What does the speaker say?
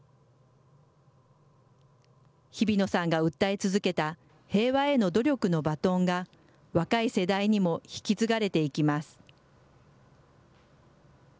日比野さんが訴え続けた平和への努力のバトンが、若い世代にも引き継がれていきます。